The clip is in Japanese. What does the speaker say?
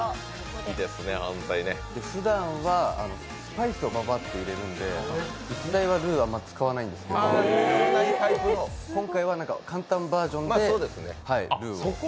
ふだんはスパイスをばばっと入れるんで実際はルーあんまり使わないんですけど今回は簡単バージョンでルーを。